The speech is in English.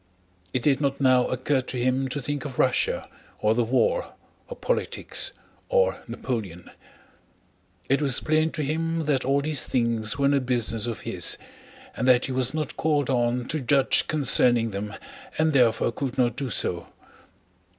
It did not now occur to him to think of Russia, or the war, or politics, or Napoleon. It was plain to him that all these things were no business of his, and that he was not called on to judge concerning them and therefore could not do so.